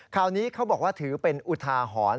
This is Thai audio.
ข่าวนี้เขาบอกว่าถือเป็นอุทาหรณ์